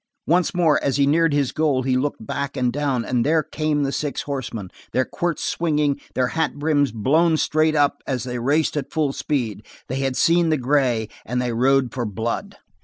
Once more, as he neared his goal, he looked back and down, and there came the six horsemen, their quirts swinging, their hat brims blown straight up they raced at full speed. They had seen the gray and they rode for blood.